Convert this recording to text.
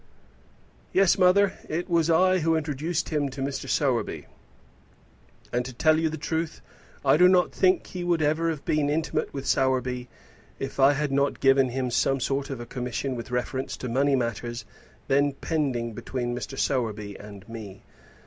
"Yes, mother. It was I who introduced him to Mr. Sowerby; and, to tell the truth, I do not think he would ever have been intimate with Sowerby if I had not given him some sort of a commission with reference to money matters then pending between Mr. Sowerby and me.